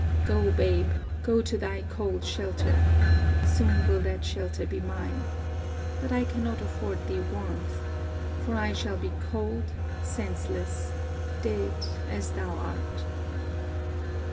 Go, babe! go to thy cold shelter! soon will that shelter be mine. But I cannot afford thee warmth: for I shall be cold, senseless, dead, as thou art!'